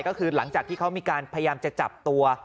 ก็คือหลังจากที่เขามีการพยายามจะจับตัว